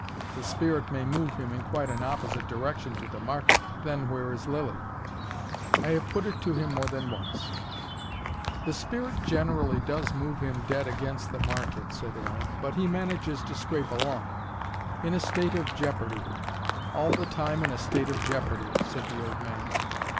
The spirit may move him in quite an opposite direction to the market then where is Lilly? I have put it to him more than once." "The spirit generally does move him dead against the market," said Aaron. "But he manages to scrape along." "In a state of jeopardy: all the time in a state of jeopardy," said the old man.